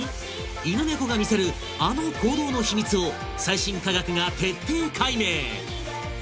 犬猫が見せるあの行動のヒミツを最新科学が徹底解明！